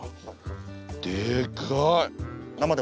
でかい！